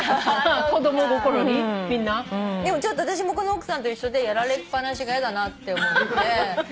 でも私もこの奥さんと一緒でやられっ放しが嫌だなって思って。